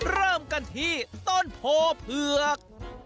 เริ่มกันที่ต้นโพเผือก